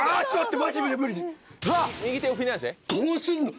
どうすんの？